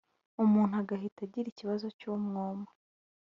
umuntu agahita agira ikibazo cy’umwuma